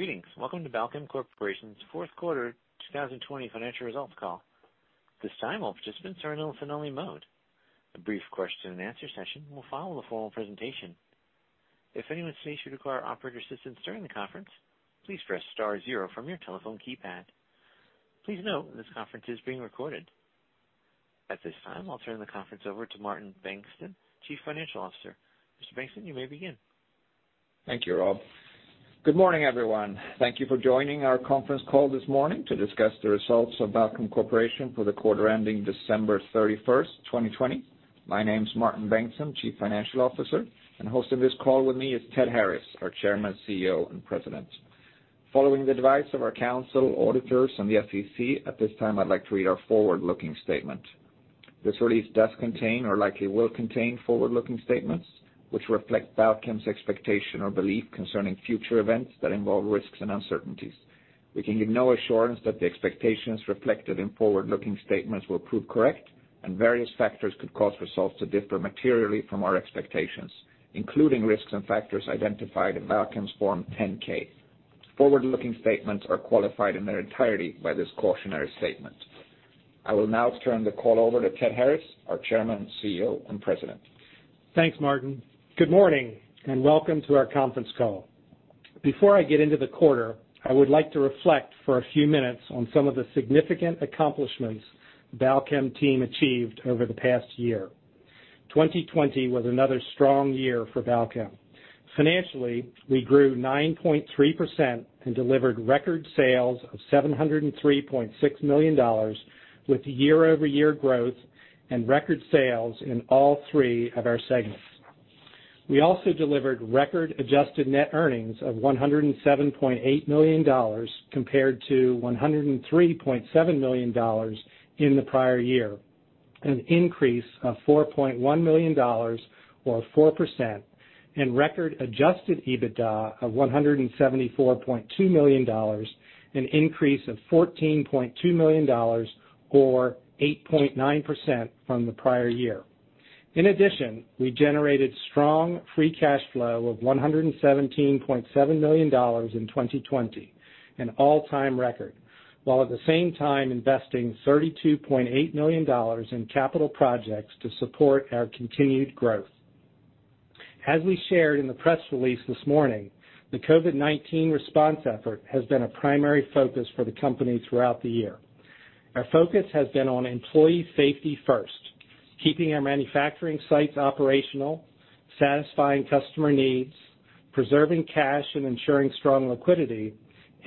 Greetings. Welcome to Balchem Corporation's Fourth Quarter 2020 Financial Results Call. This time, all participants are in listen-only mode. A brief question and answer session will follow the formal presentation. If anyone today should require operator assistance during the conference, please press star zero from your telephone keypad. Please note, this conference is being recorded. At this time, I'll turn the conference over to Martin Bengtsson, Chief Financial Officer. Mr. Bengtsson, you may begin. Thank you, Rob. Good morning, everyone. Thank you for joining our conference call this morning to discuss the results of Balchem Corporation for the quarter ending December 31st, 2020. My name's Martin Bengtsson, Chief Financial Officer. Hosting this call with me is Ted Harris, our Chairman, CEO, and President. Following the advice of our counsel, auditors, and the SEC, at this time, I'd like to read our forward-looking statement. This release does contain or likely will contain forward-looking statements which reflect Balchem's expectation or belief concerning future events that involve risks and uncertainties. We can give no assurance that the expectations reflected in forward-looking statements will prove correct, and various factors could cause results to differ materially from our expectations, including risks and factors identified in Balchem's Form 10-K. Forward-looking statements are qualified in their entirety by this cautionary statement. I will now turn the call over to Ted Harris, our Chairman, CEO, and President. Thanks, Martin. Good morning, and welcome to our conference call. Before I get into the quarter, I would like to reflect for a few minutes on some of the significant accomplishments Balchem team achieved over the past year. 2020 was another strong year for Balchem. Financially, we grew 9.3% and delivered record sales of $703.6 million with year-over-year growth and record sales in all three of our segments. We also delivered record adjusted net earnings of $107.8 million compared to $103.7 million in the prior year, an increase of $4.1 million or 4%, and record Adjusted EBITDA of $174.2 million, an increase of $14.2 million or 8.9% from the prior year. In addition, we generated strong free cash flow of $117.7 million in 2020, an all-time record, while at the same time investing $32.8 million in capital projects to support our continued growth. As we shared in the press release this morning, the COVID-19 response effort has been a primary focus for the company throughout the year. Our focus has been on employee safety first, keeping our manufacturing sites operational, satisfying customer needs, preserving cash and ensuring strong liquidity,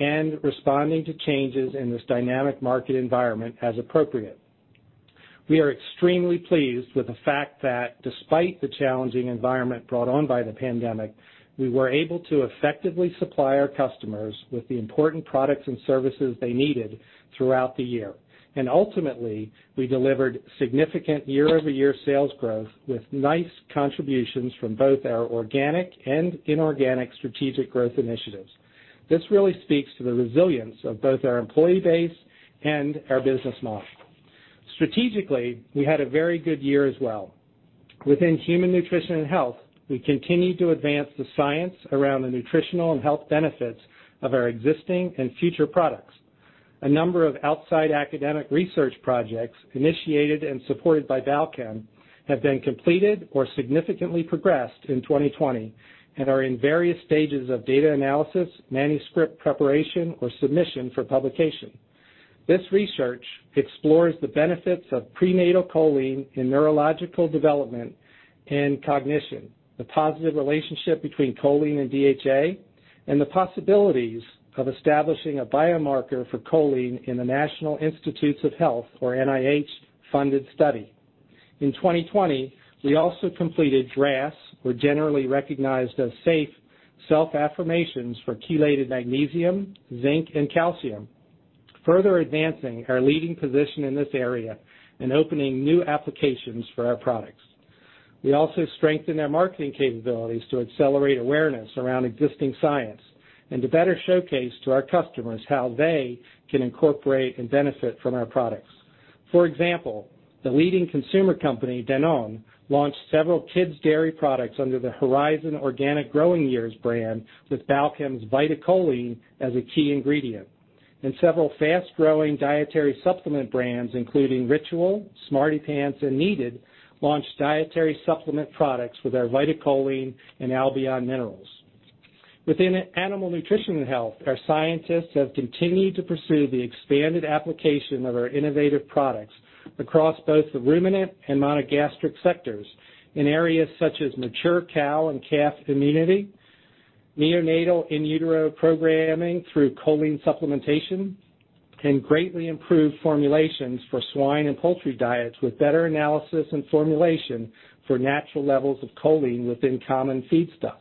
and responding to changes in this dynamic market environment as appropriate. We are extremely pleased with the fact that despite the challenging environment brought on by the pandemic, we were able to effectively supply our customers with the important products and services they needed throughout the year. Ultimately, we delivered significant year-over-year sales growth with nice contributions from both our organic and inorganic strategic growth initiatives. This really speaks to the resilience of both our employee base and our business model. Strategically, we had a very good year as well. Within human nutrition and health, we continued to advance the science around the nutritional and health benefits of our existing and future products. A number of outside academic research projects initiated and supported by Balchem have been completed or significantly progressed in 2020 and are in various stages of data analysis, manuscript preparation, or submission for publication. This research explores the benefits of prenatal choline in neurological development and cognition, the positive relationship between choline and DHA, and the possibilities of establishing a biomarker for choline in the National Institutes of Health, or NIH, funded study. In 2020, we also completed GRAS, or Generally Recognized as Safe, self-affirmations for chelated magnesium, zinc, and calcium, further advancing our leading position in this area and opening new applications for our products. We also strengthened our marketing capabilities to accelerate awareness around existing science and to better showcase to our customers how they can incorporate and benefit from our products. For example, the leading consumer company, Danone, launched several kids' dairy products under the Horizon Organic Growing Years brand with Balchem's VitaCholine as a key ingredient. Several fast-growing dietary supplement brands, including Ritual, SmartyPants, and Needed, launched dietary supplement products with our VitaCholine and Albion Minerals. Within Animal Nutrition & Health, our scientists have continued to pursue the expanded application of our innovative products across both the ruminant and monogastric sectors in areas such as mature cow and calf immunity, neonatal in utero programming through choline supplementation, and greatly improved formulations for swine and poultry diets with better analysis and formulation for natural levels of choline within common feedstuffs.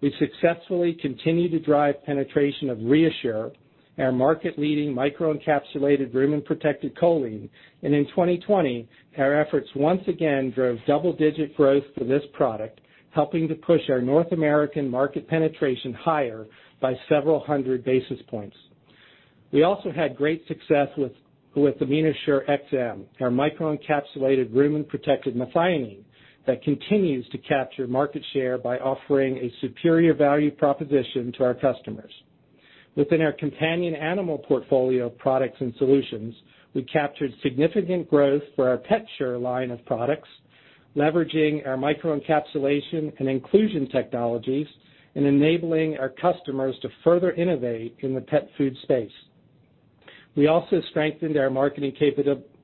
We successfully continue to drive penetration of ReaShure, our market-leading microencapsulated rumen-protected choline. In 2020, our efforts once again drove double-digit growth for this product, helping to push our North American market penetration higher by several hundred basis points. We also had great success with AminoShure-XM, our microencapsulated rumen-protected methionine that continues to capture market share by offering a superior value proposition to our customers. Within our companion animal portfolio of products and solutions, we captured significant growth for our PetShure line of products, leveraging our microencapsulation and inclusion technologies and enabling our customers to further innovate in the pet food space. We also strengthened our marketing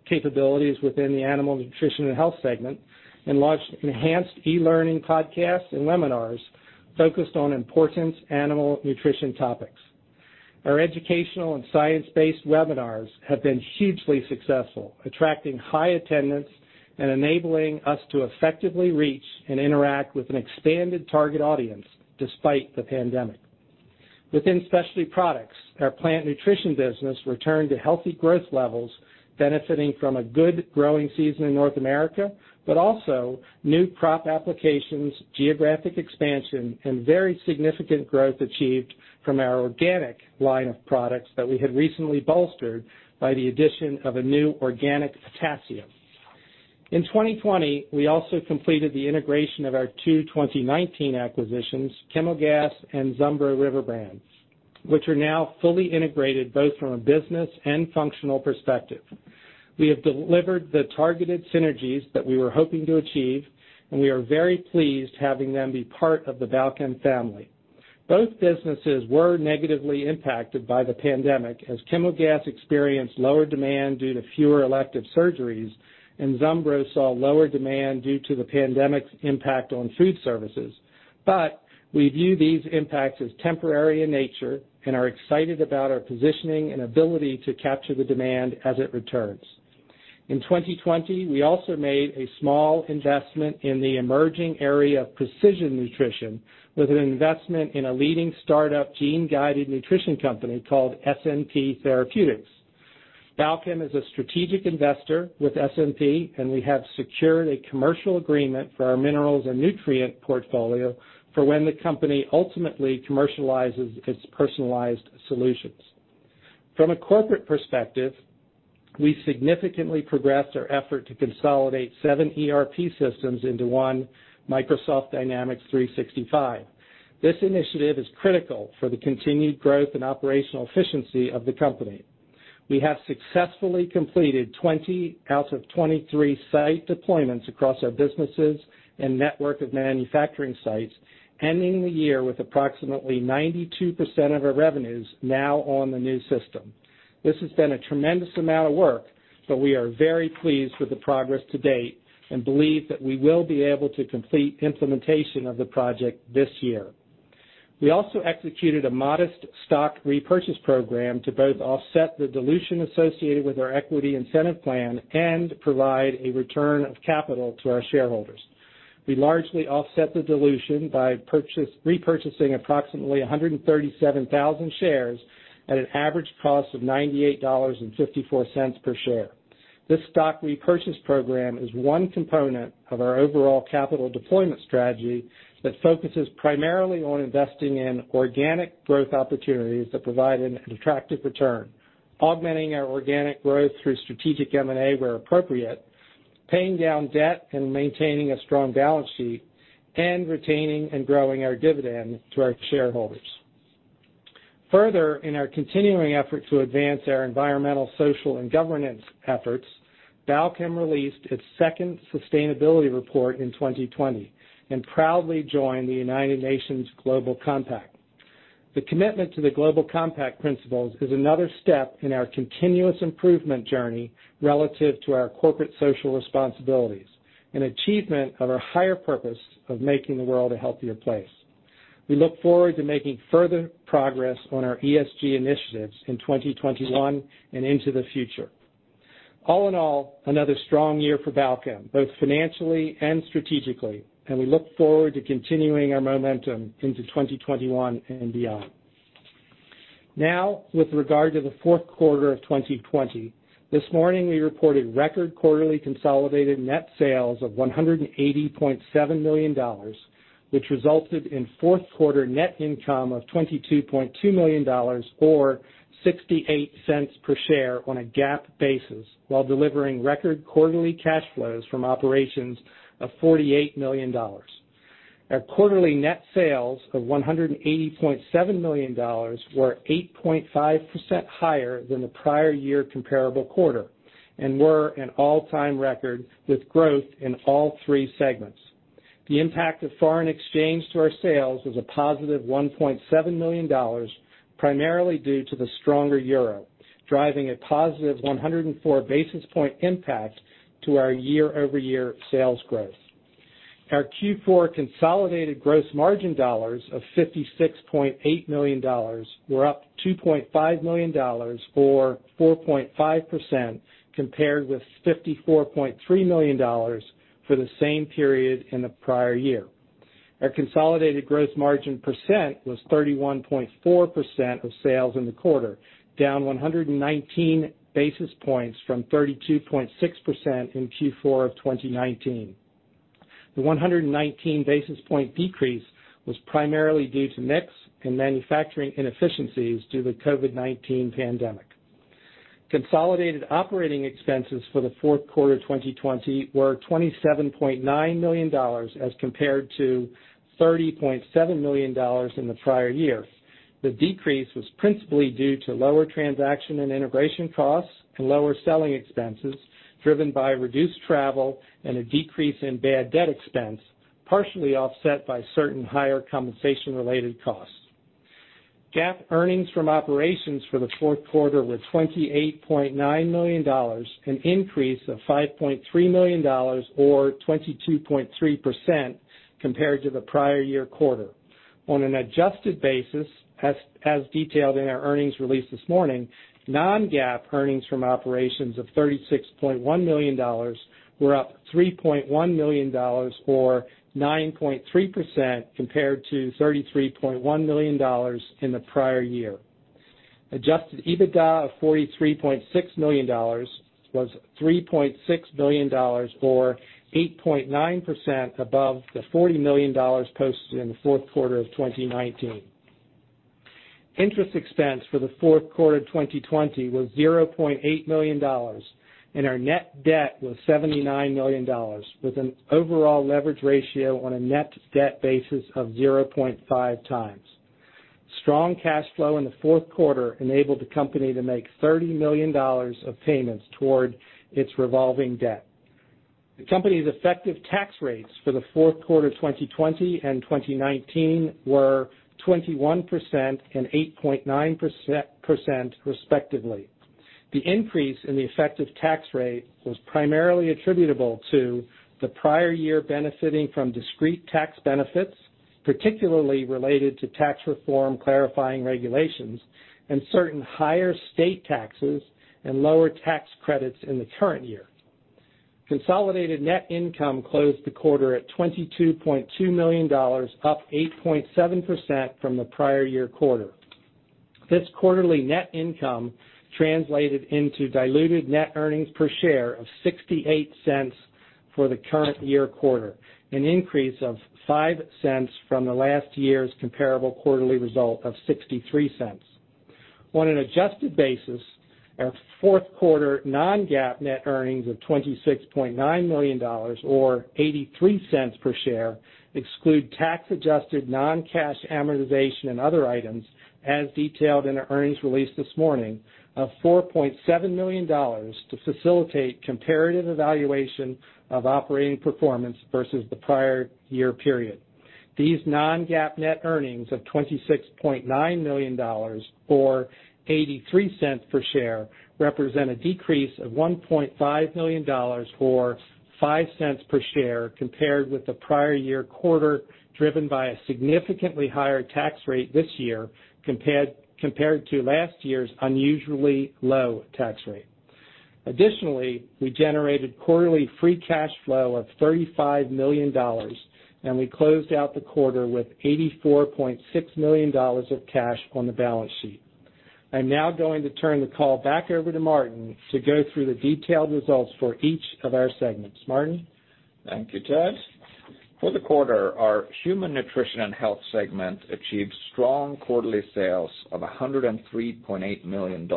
capabilities within the animal nutrition and health segment and launched enhanced e-learning podcasts and webinars focused on important animal nutrition topics. Our educational and science-based webinars have been hugely successful, attracting high attendance and enabling us to effectively reach and interact with an expanded target audience despite the pandemic. Within specialty products, our plant nutrition business returned to healthy growth levels, benefiting from a good growing season in North America, but also new crop applications, geographic expansion, and very significant growth achieved from our organic line of products that we had recently bolstered by the addition of a new organic potassium. In 2020, we also completed the integration of our two 2019 acquisitions, Chemogas and Zumbro River Brand, which are now fully integrated both from a business and functional perspective. We have delivered the targeted synergies that we were hoping to achieve, and we are very pleased having them be a part of Balchem family. Both businesses were negatively impacted by the pandemic, as Chemogas experienced lower demand due to fewer elective surgeries, and Zumbro saw lower demand due to the pandemic's impact on food services. We view these impacts as temporary in nature and are excited about our positioning and ability to capture the demand as it returns. In 2020, we also made a small investment in the emerging area of precision nutrition with an investment in a leading startup gene-guided nutrition company called SNP Therapeutics. Balchem is a strategic investor with SNP, and we have secured a commercial agreement for our minerals and nutrient portfolio for when the company ultimately commercializes its personalized solutions. From a corporate perspective, we significantly progressed our effort to consolidate seven ERP systems into one Microsoft Dynamics 365. This initiative is critical for the continued growth and operational efficiency of the company. We have successfully completed 20 out of 23 site deployments across our businesses and network of manufacturing sites, ending the year with approximately 92% of our revenues now on the new system. This has been a tremendous amount of work, but we are very pleased with the progress to date and believe that we will be able to complete implementation of the project this year. We also executed a modest stock repurchase program to both offset the dilution associated with our equity incentive plan and provide a return of capital to our shareholders. We largely offset the dilution by repurchasing approximately 137,000 shares at an average cost of $98.54 per share. This stock repurchase program is one component of our overall capital deployment strategy that focuses primarily on investing in organic growth opportunities that provide an attractive return, augmenting our organic growth through strategic M&A where appropriate, paying down debt and maintaining a strong balance sheet, and retaining and growing our dividend to our shareholders. Further, in our continuing effort to advance our environmental, social, and governance efforts, Balchem released its second sustainability report in 2020 and proudly joined the United Nations Global Compact. The commitment to the Global Compact principles is another step in our continuous improvement journey relative to our corporate social responsibilities and achievement of our higher purpose of making the world a healthier place. We look forward to making further progress on our ESG initiatives in 2021 and into the future. All in all, another strong year for Balchem, both financially and strategically, and we look forward to continuing our momentum into 2021 and beyond. Now, with regard to the fourth quarter of 2020, this morning we reported record quarterly consolidated net sales of $180.7 million, which resulted in fourth quarter net income of $22.2 million or $0.68 per share on a GAAP basis while delivering record quarterly cash flows from operations of $48 million. Our quarterly net sales of $180.7 million were 8.5% higher than the prior year comparable quarter and were an all-time record, with growth in all three segments. The impact of foreign exchange to our sales was a positive $1.7 million, primarily due to the stronger euro, driving a positive 104 basis point impact to our year-over-year sales growth. Our Q4 consolidated gross margin dollars of $56.8 million were up $2.5 million or 4.5% compared with $54.3 million for the same period in the prior year. Our consolidated gross margin percent was 31.4% of sales in the quarter, down 119 basis points from 32.6% in Q4 of 2019. The 119 basis point decrease was primarily due to mix and manufacturing inefficiencies due to the COVID-19 pandemic. Consolidated operating expenses for the fourth quarter 2020 were $27.9 million as compared to $30.7 million in the prior year. The decrease was principally due to lower transaction and integration costs and lower selling expenses, driven by reduced travel and a decrease in bad debt expense, partially offset by certain higher compensation-related costs. GAAP earnings from operations for the fourth quarter were $28.9 million, an increase of $5.3 million or 22.3% compared to the prior year quarter. On an adjusted basis, as detailed in our earnings release this morning, non-GAAP earnings from operations of $36.1 million were up $3.1 million or 9.3% compared to $33.1 million in the prior year. Adjusted EBITDA of $43.6 million was $3.6 million, or 8.9%, above the $40 million posted in the fourth quarter of 2019. Interest expense for the fourth quarter 2020 was $0.8 million, and our net debt was $79 million, with an overall leverage ratio on a net debt basis of 0.5 times. Strong cash flow in the fourth quarter enabled the company to make $30 million of payments toward its revolving debt. The company's effective tax rates for the fourth quarter 2020 and 2019 were 21% and 8.9%, respectively. The increase in the effective tax rate was primarily attributable to the prior year benefiting from discrete tax benefits, particularly related to tax reform clarifying regulations and certain higher state taxes and lower tax credits in the current year. Consolidated net income closed the quarter at $22.2 million, up 8.7% from the prior year quarter. This quarterly net income translated into diluted net earnings per share of $0.68 for the current year quarter, an increase of $0.05 from the last year's comparable quarterly result of $0.63. On an adjusted basis, our fourth quarter non-GAAP net earnings of $26.9 million or $0.83 per share exclude tax-adjusted non-cash amortization and other items as detailed in our earnings release this morning of $4.7 million to facilitate comparative evaluation of operating performance versus the prior year period. These non-GAAP net earnings of $26.9 million or $0.83 per share represent a decrease of $1.5 million or $0.05 per share compared with the prior year quarter, driven by a significantly higher tax rate this year compared to last year's unusually low tax rate. Additionally, we generated quarterly free cash flow of $35 million, and we closed out the quarter with $84.6 million of cash on the balance sheet. I'm now going to turn the call back over to Martin to go through the detailed results for each of our segments. Martin? Thank you, Ted. For the quarter, our Human Nutrition & Health Segment achieved strong quarterly sales of $103.8 million,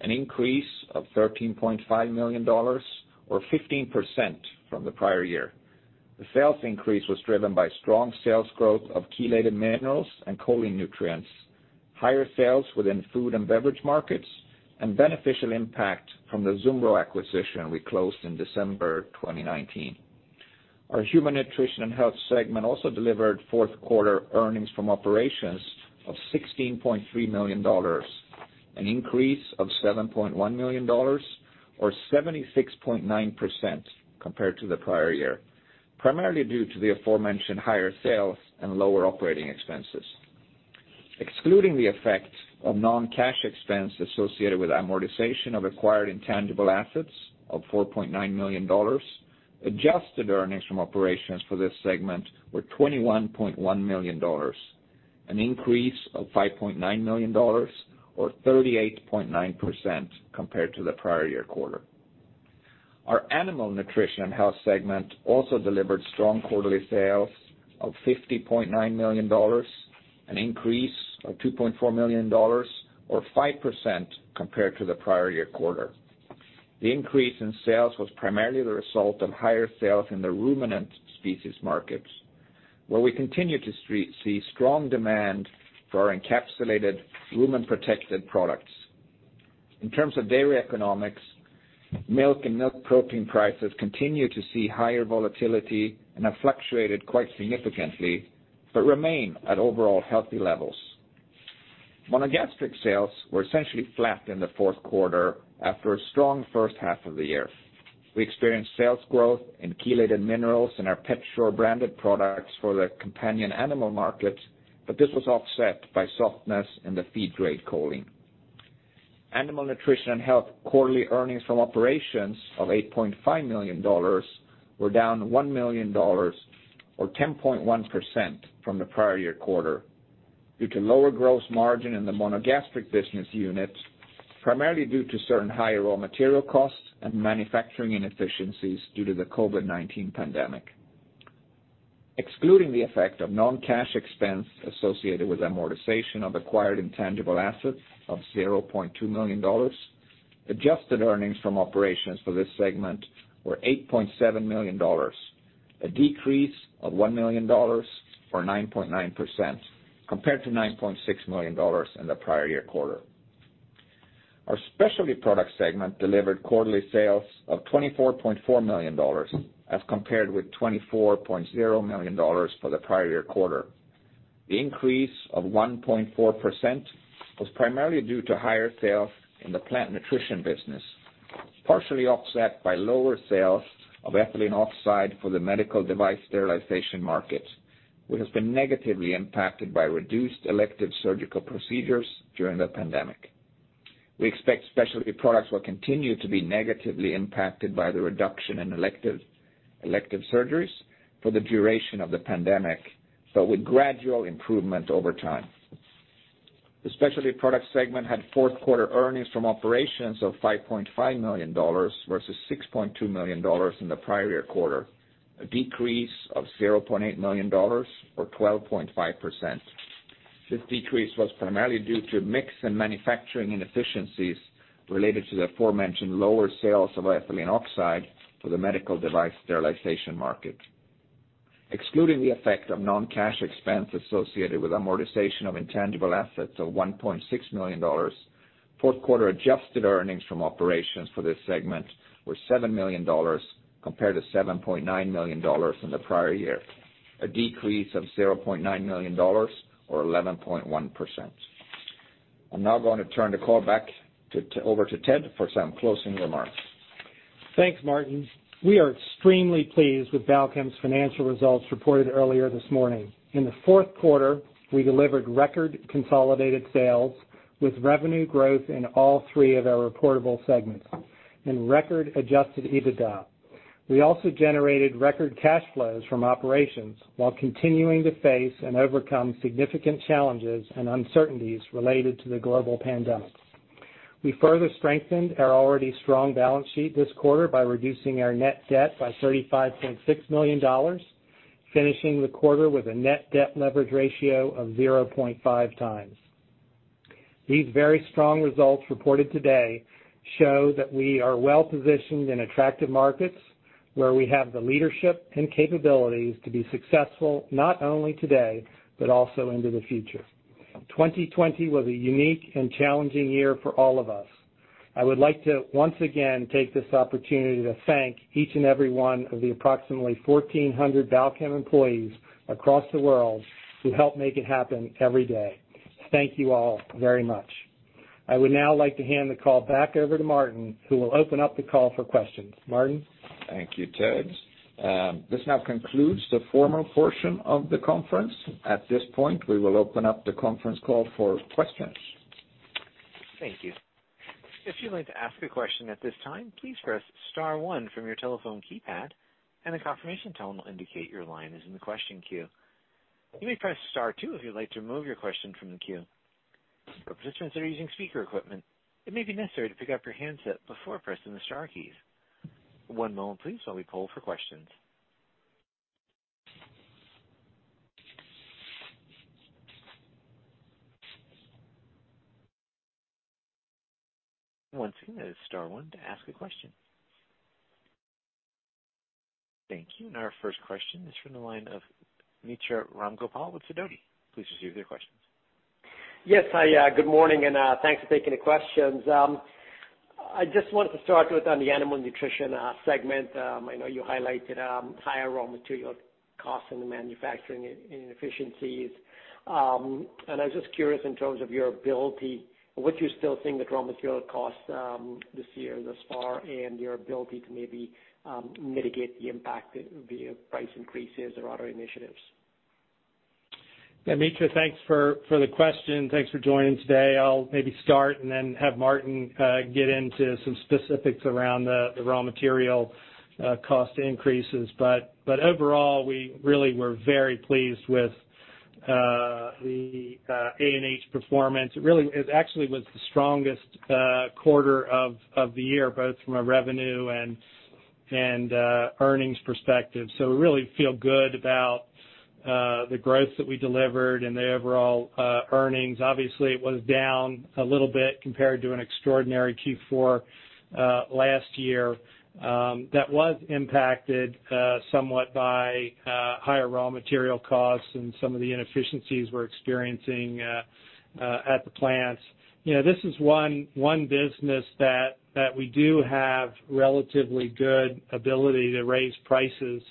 an increase of $13.5 million or 15% from the prior year. The sales increase was driven by strong sales growth of chelated minerals and choline nutrients, higher sales within food and beverage markets, and beneficial impact from the Zumbro acquisition we closed in December 2019. Our Human Nutrition & Health Segment also delivered fourth quarter earnings from operations of $16.3 million, an increase of $7.1 million or 76.9% compared to the prior year, primarily due to the aforementioned higher sales and lower operating expenses. Excluding the effect of non-cash expense associated with amortization of acquired intangible assets of $4.9 million, adjusted earnings from operations for this segment were $21.1 million, an increase of $5.9 million or 38.9% compared to the prior year quarter. Our Animal Nutrition & Health segment also delivered strong quarterly sales of $50.9 million, an increase of $2.4 million or 5% compared to the prior-year quarter. The increase in sales was primarily the result of higher sales in the ruminant species markets, where we continue to see strong demand for our encapsulated rumen-protected products. In terms of dairy economics, milk and milk protein prices continue to see higher volatility and have fluctuated quite significantly, but remain at overall healthy levels. Monogastric sales were essentially flat in the fourth quarter after a strong first half of the year. We experienced sales growth in chelated minerals in our PetShure-branded products for the companion animal markets, but this was offset by softness in the feed-grade choline. Animal nutrition and health quarterly earnings from operations of $8.5 million were down $1 million or 10.1% from the prior year quarter due to lower gross margin in the monogastric business unit, primarily due to certain higher raw material costs and manufacturing inefficiencies due to the COVID-19 pandemic. Excluding the effect of non-cash expense associated with amortization of acquired intangible assets of $0.2 million, adjusted earnings from operations for this segment were $8.7 million, a decrease of $1 million, or 9.9%, compared to $9.6 million in the prior year quarter. Our Specialty Product segment delivered quarterly sales of $24.4 million as compared with $24.0 million for the prior year quarter. The increase of 1.4% was primarily due to higher sales in the Plant Nutrition business, partially offset by lower sales of ethylene oxide for the medical device sterilization market, which has been negatively impacted by reduced elective surgical procedures during the pandemic. We expect Specialty Products will continue to be negatively impacted by the reduction in elective surgeries for the duration of the pandemic, but with gradual improvement over time. The Specialty Products segment had fourth quarter earnings from operations of $5.5 million, versus $6.2 million in the prior year quarter, a decrease of $0.8 million, or 12.5%. This decrease was primarily due to mix and manufacturing inefficiencies related to the aforementioned lower sales of ethylene oxide for the medical device sterilization market. Excluding the effect of non-cash expense associated with amortization of intangible assets of $1.6 million, fourth quarter adjusted earnings from operations for this segment were $7 million compared to $7.9 million in the prior year, a decrease of $0.9 million, or 11.1%. I'm now going to turn the call back over to Ted for some closing remarks. Thanks, Martin. We are extremely pleased with Balchem's financial results reported earlier this morning. In the fourth quarter, we delivered record consolidated sales, with revenue growth in all three of our reportable segments, and record Adjusted EBITDA. We also generated record cash flows from operations while continuing to face and overcome significant challenges and uncertainties related to the global pandemic. We further strengthened our already strong balance sheet this quarter by reducing our net debt by $35.6 million, finishing the quarter with a net debt leverage ratio of 0.5 times. These very strong results reported today show that we are well-positioned in attractive markets, where we have the leadership and capabilities to be successful, not only today, but also into the future. 2020 was a unique and challenging year for all of us. I would like to once again take this opportunity to thank each and every one of the approximately 1,400 Balchem employees across the world who help make it happen every day. Thank you all very much. I would now like to hand the call back over to Martin, who will open up the call for questions. Martin? Thank you, Ted. This now concludes the formal portion of the conference. At this point, we will open up the conference call for questions. Thank you. If you would like to ask the question at this time, please press star one from your telephone keypad and a confirmation tone will indicate your line is in question queue. You may press star two if you would like to remove your question from the queue. For participants using speaker equipment, it may be necessary to pick up your handset before pressing the star key. One moment please, so we poll for questions. Once again, that's star one to ask your question. Thank you. Our first question is from the line of Mitra Ramgopal with Sidoti. Please proceed with your questions. Yes, hi. Good morning. Thanks for taking the questions. I just wanted to start with on the Animal Nutrition segment. I know you highlighted higher raw material costs and the manufacturing inefficiencies. I was just curious in terms of your ability, what you still think the raw material costs this year thus far and your ability to maybe mitigate the impact via price increases or other initiatives. Mitra, thanks for the question. Thanks for joining today. I'll maybe start and then have Martin get into some specifics around the raw material cost increases. Overall, we really were very pleased with the ANH performance. It actually was the strongest quarter of the year, both from a revenue and earnings perspective. We really feel good about the growth that we delivered and the overall earnings. Obviously, it was down a little bit compared to an extraordinary Q4 last year that was impacted somewhat by higher raw material costs and some of the inefficiencies we're experiencing at the plants. This is one business that we do have relatively good ability to raise prices,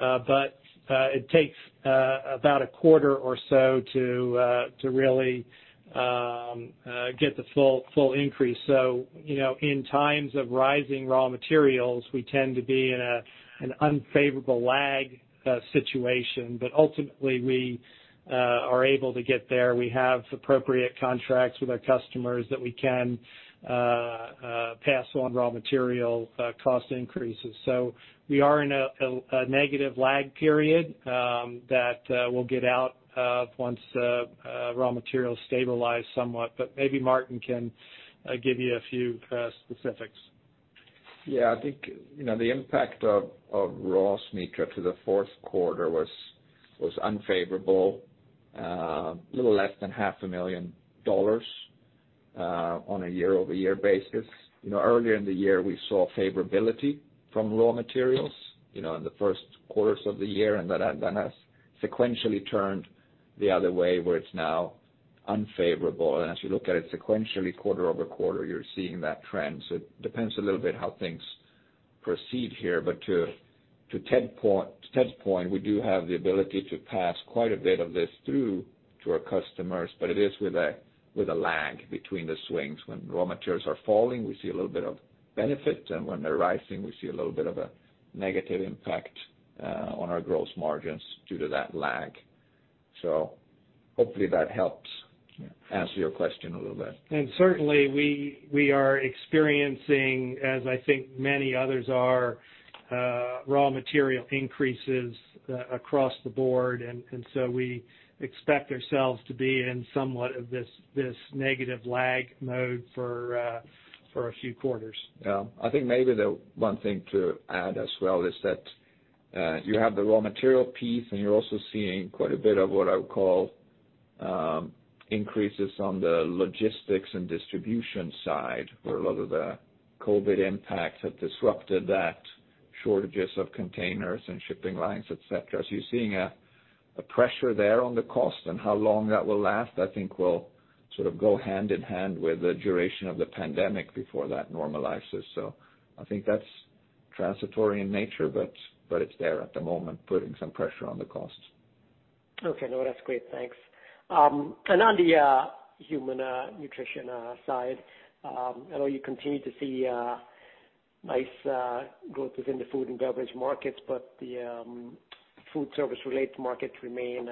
but it takes about a quarter or so to really get the full increase. In times of rising raw materials, we tend to be in an unfavorable lag situation. Ultimately, we are able to get there. We have appropriate contracts with our customers that we can pass on raw material cost increases. We are in a negative lag period that we'll get out of once raw materials stabilized somewhat, but maybe Martin can give you a few specifics. Yeah. I think the impact of raws, Mitra to the fourth quarter was unfavorable. A little less than $0.5 million dollars on a year-over-year basis. Earlier in the year, we saw favorability from raw materials, you know, in the first quarters of the year, and that has sequentially turned the other way, where it's now unfavorable. As you look at it sequentially quarter-over-quarter, you're seeing that trend. It depends a little bit how things proceed here, but to Ted's point, we do have the ability to pass quite a bit of this through to our customers, but it is with a lag between the swings. When raw materials are falling, we see a little bit of benefit, and when they're rising, we see a little bit of a negative impact on our gross margins due to that lag. Hopefully that helps answer your question a little bit. Certainly, we are experiencing, as I think many others are, raw material increases across the board and so we expect ourselves to be in somewhat of this negative lag mode for a few quarters. Yeah. I think maybe the one thing to add as well is that you have the raw material piece, and you're also seeing quite a bit of what I would call increases on the logistics and distribution side, where a lot of the COVID impacts have disrupted that. Shortages of containers and shipping lines, et cetera. You're seeing a pressure there on the cost, and how long that will last, I think will sort of go hand in hand with the duration of the pandemic before that normalizes. I think that's transitory in nature, but it's there at the moment, putting some pressure on the costs. Okay. No, that's great. Thanks. On the human nutrition side, I know you continue to see nice growth within the food and beverage markets, but the food service-related markets remain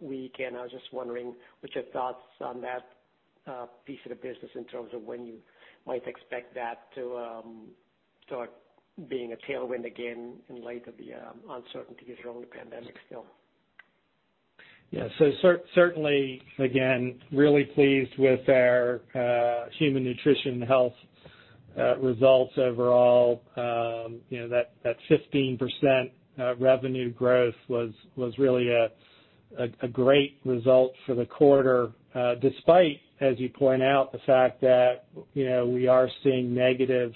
weak, and I was just wondering what your thoughts on that piece of the business in terms of when you might expect that to start being a tailwind again in light of the uncertainties around the pandemic still? Certainly, again, really pleased with our Human Nutrition & Health results overall. That 15% revenue growth was really a great result for the quarter, despite, as you point out, the fact that we are seeing negative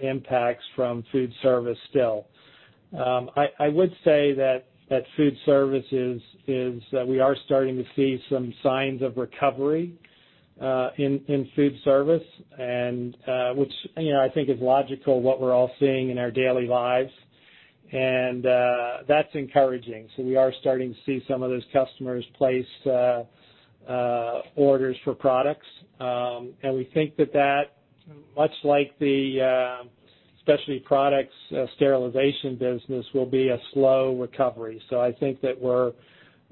impacts from food service still. I would say that food service, we are starting to see some signs of recovery in food service, and which, you know, I think is logical what we're all seeing in our daily lives. That's encouraging. We are starting to see some of those customers place orders for products. We think that, much like the specialty products sterilization business, will be a slow recovery. I think that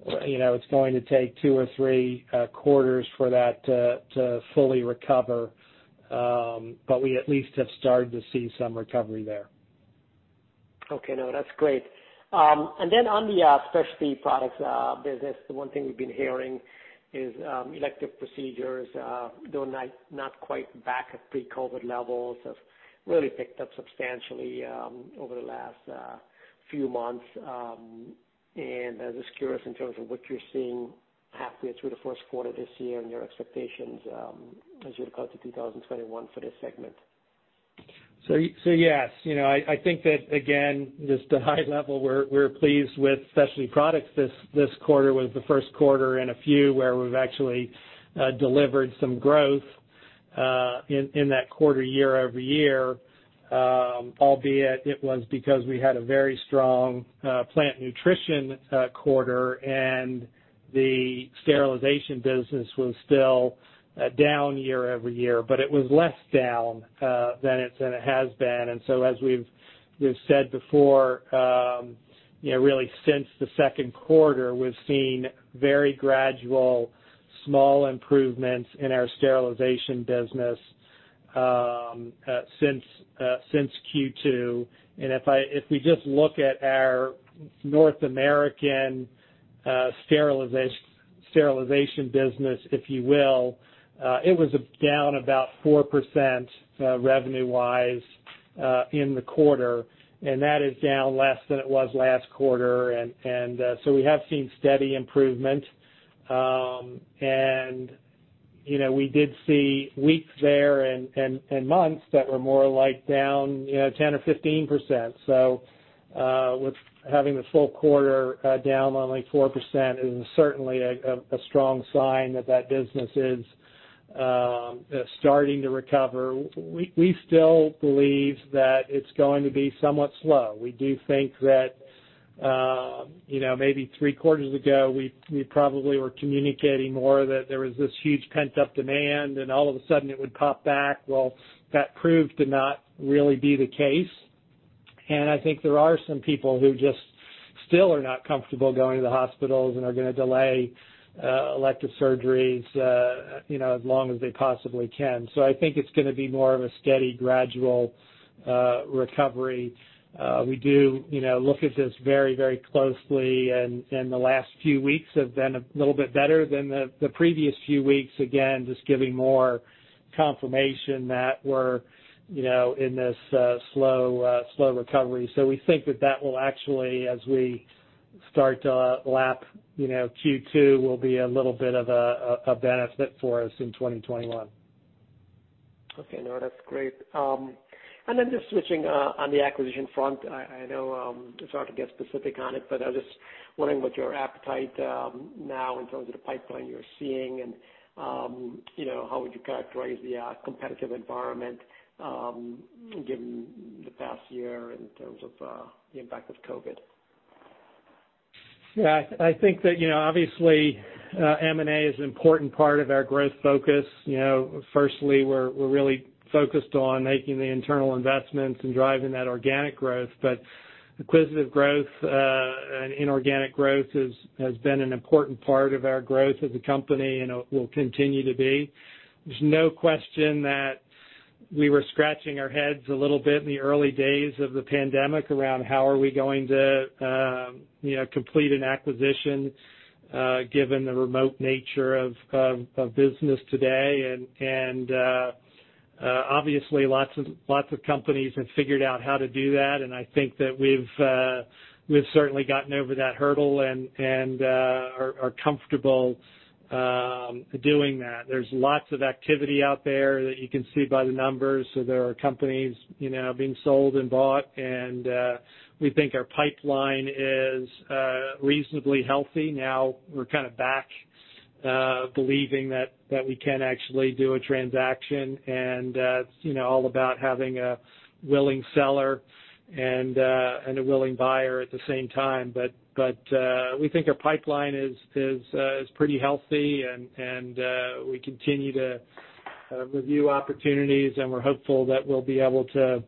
it's going to take two or three quarters for that to fully recover, but we at least have started to see some recovery there. Okay. No, that's great. Then, on the specialty products business, the one thing we've been hearing is elective procedures, though not quite back at pre-COVID-19 levels, have really picked up substantially over the last few months. I was just curious in terms of what you're seeing halfway through the first quarter this year and your expectations as we look out to 2021 for this segment. Yes. I think that, again, just at a high level, we're pleased with specialty products. This quarter was the first quarter in a few where we've actually delivered some growth in that quarter year-over-year, albeit it was because we had a very strong plant nutrition quarter, and the sterilization business was still down year-over-year, but it was less down than it has been. As we've said before, really since the second quarter, we've seen very gradual, small improvements in our sterilization business since Q2. If we just look at our North American sterilization business, if you will, it was down about 4% revenue-wise in the quarter, and that is down less than it was last quarter. We have seen steady improvement. We did see weeks there and months that were more like down 10% or 15%. With having the full quarter down only 4% is certainly a strong sign that that business is starting to recover. We still believe that it's going to be somewhat slow. We do think that maybe three quarters ago, we probably were communicating more that there was this huge pent-up demand, and all of a sudden, it would pop back. That proved to not really be the case. I think there are some people who just still are not comfortable going to the hospitals and are going to delay elective surgeries as long as they possibly can. I think it's going to be more of a steady gradual recovery. We do look at this very closely, and the last few weeks have been a little bit better than the previous few weeks, again, just giving more confirmation that we're in this slow recovery. We think that that will actually, as we start to lap Q2, will be a little bit of a benefit for us in 2021. Okay. No, that's great. Just switching on the acquisition front, I know it's hard to get specific on it, but I was just wondering what your appetite now in terms of the pipeline you're seeing and how would you characterize the competitive environment given the past year in terms of the impact of COVID? Yeah, I think that, obviously, M&A is an important part of our growth focus. Firstly, we're really focused on making the internal investments and driving that organic growth, but acquisitive growth and inorganic growth has been an important part of our growth as a company, and it will continue to be. There's no question that we were scratching our heads a little bit in the early days of the pandemic around how are we going to complete an acquisition given the remote nature of business today, and obviously, lots of companies have figured out how to do that, and I think that we've certainly gotten over that hurdle and are comfortable doing that. There is lots of activity out there that you can see by the numbers. There are companies being sold and bought, and we think our pipeline is reasonably healthy now. We're kind of back believing that we can actually do a transaction, and it's all about having a willing seller and a willing buyer at the same time. We think our pipeline is pretty healthy, and we continue to review opportunities, and we're hopeful that we'll be able to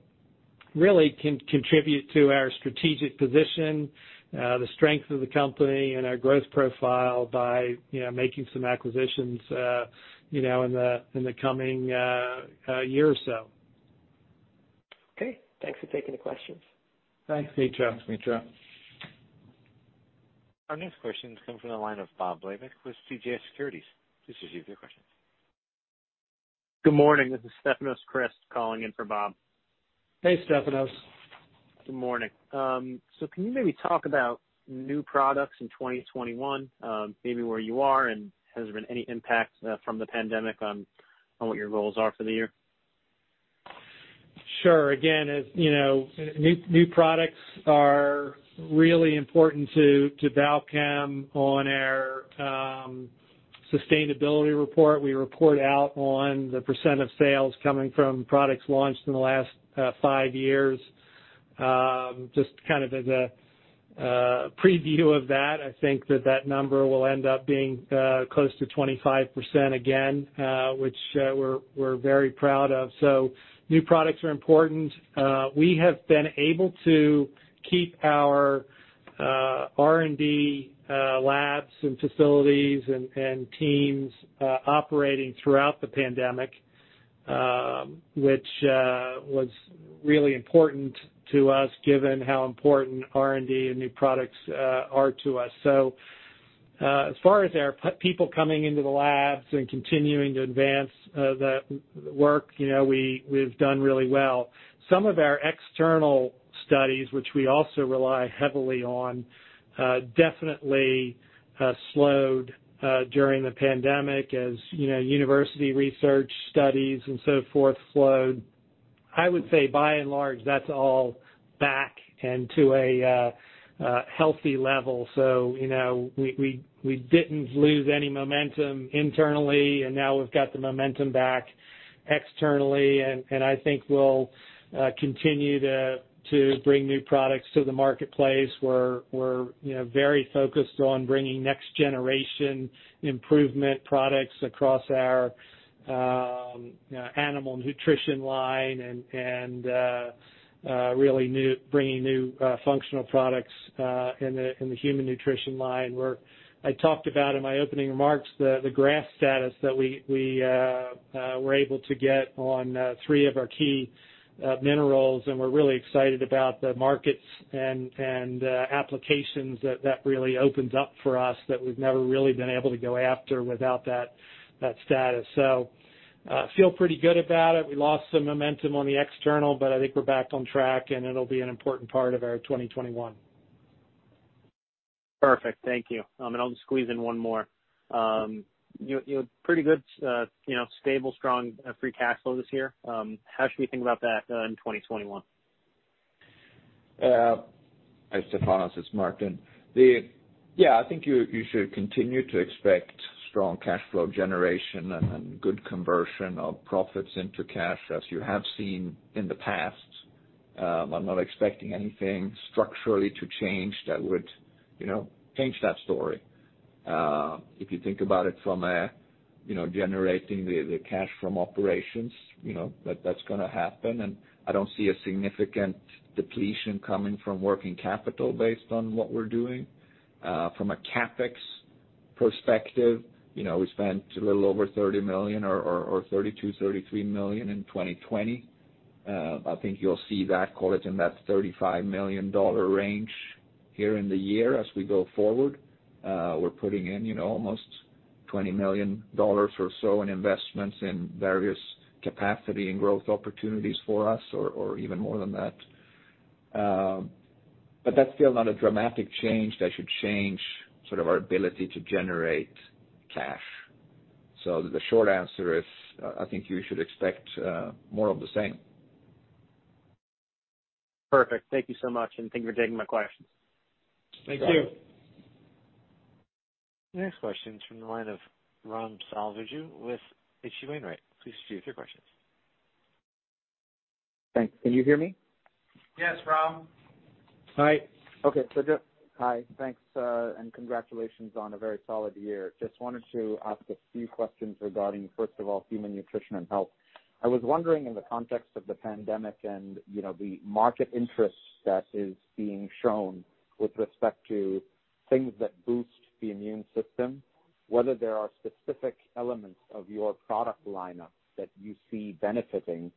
really contribute to our strategic position, the strength of the company, and our growth profile by making some acquisitions in the coming year or so. Okay. Thanks for taking the questions. Thanks, Mitra. Thanks, Mitra. Our next question comes from the line of Bob Labick with CJS Securities. Please proceed with your questions. Good morning. This is Stefanos Crist calling in for Bob. Hey, Stefanos. Good morning. Can you maybe talk about new products in 2021, maybe where you are, and has there been any impact from the pandemic on what your goals are for the year? Sure. Again, you know, new products are really important to Balchem. On our sustainability report, we report out on the percent of sales coming from products launched in the last five years. Just kind of as a preview of that, I think that that number will end up being close to 25% again, which we're very proud of. New products are important. We have been able to keep our R&D labs and facilities and teams operating throughout the pandemic, which was really important to us given how important R&D and new products are to us. As far as our people coming into the labs and continuing to advance the work, you know, we've done really well. Some of our external studies, which we also rely heavily on, definitely slowed during the pandemic as university research studies and so forth slowed. I would say by and large, that's all back and to a healthy level. We didn't lose any momentum internally. Now, we've got the momentum back externally. I think we'll continue to bring new products to the marketplace. We're very focused on bringing next generation improvement products across our Animal Nutrition line and really bringing new functional products in the Human Nutrition line, where I talked about in my opening remarks, the GRAS status that we were able to get on three of our key minerals. We're really excited about the markets and applications that really opens up for us that we've never really been able to go after without that status. Feel pretty good about it. We lost some momentum on the external, but I think we're back on track and it'll be an important part of our 2021. Perfect. Thank you. I'll just squeeze in one more. You had pretty good stable, strong free cash flow this year. How should we think about that in 2021? Hi, Stefanos, it's Martin. Yeah, I think you should continue to expect strong cash flow generation and good conversion of profits into cash as you have seen in the past. I'm not expecting anything structurally to change that would, you know, change that story. If you think about it from generating the cash from operations, you know, that's going to happen, and I don't see a significant depletion coming from working capital based on what we're doing. From a CapEx perspective, you know, we spent a little over $30 million or $32 million, $33 million in 2020. I think you'll see that caught in that $35 million range here in the year as we go forward. We're putting in almost $20 million or so in investments in various capacity and growth opportunities for us, or even more than that. That's still not a dramatic change that should change sort of our ability to generate cash. The short answer is, I think you should expect more of the same. Perfect. Thank you so much, and thank you for taking my question. Thank you. The next question is from the line of Ram Selvaraju with H.C. Wainwright. Please proceed with your questions. Thanks. Can you hear me? Yes, Ram. Hi. Thanks, and congratulations on a very solid year. Just wanted to ask a few questions regarding, first of all, Human Nutrition & Health. I was wondering in the context of the pandemic and, you know, the market interest that is being shown with respect to things that boost the immune system, whether there are specific elements of your product lineup that you see benefiting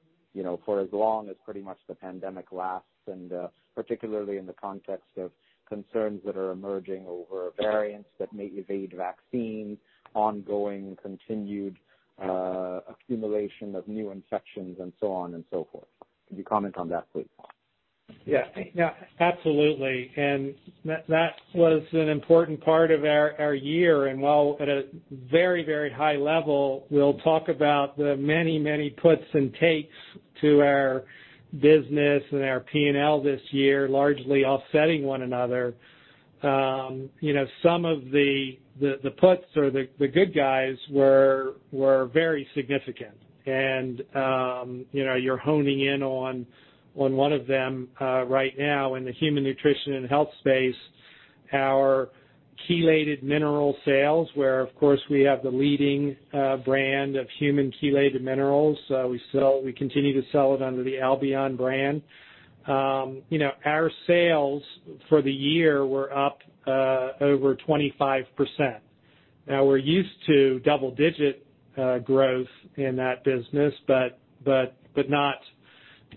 for as long as pretty much the pandemic lasts, and particularly in the context of concerns that are emerging over variants that may evade vaccines, ongoing continued accumulation of new infections, and so on and so forth. Could you comment on that, please? Yeah. Absolutely. That was an important part of our year. While at a very, very high level, we'll talk about the many, many puts and takes to our business and our P&L this year, largely offsetting one another. Some of the puts or the good guys were very significant. You're honing in on one of them right now in the Human Nutrition & Health space, our chelated mineral sales, where, of course, we have the leading brand of human chelated minerals. We continue to sell it under the Albion brand. Our sales for the year were up over 25%. We're used to double-digit growth in that business, but not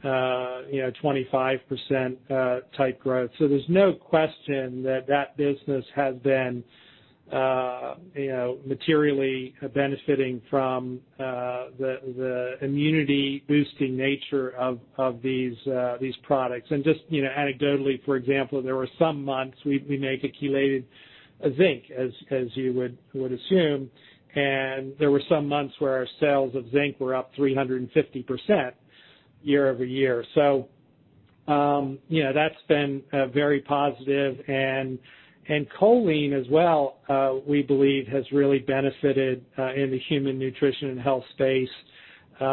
25% type growth. There's no question that that business has been, you know, materially benefiting from the immunity-boosting nature of these products. Just, you know, anecdotally, for example, there were some months we make a chelated zinc, as you would assume, and there were some months where our sales of zinc were up 350% year-over-year. That's been very positive. Choline as well, we believe has really benefited in the human nutrition and health space. In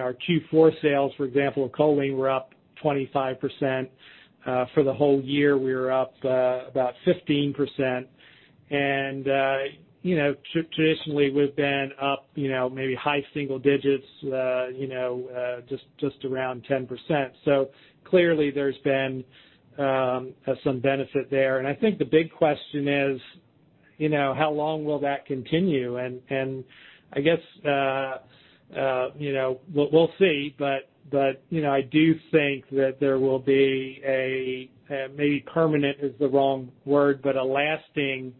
our Q4 sales, for example, choline, were up 25%. For the whole year, we were up about 15%. Traditionally, we've been up, you know, maybe high single digits, just around 10%. Clearly, there's been some benefit there. I think the big question is, you know, how long will that continue? I guess we'll see, but I do think that there will be a, maybe permanent is the wrong word, but a lasting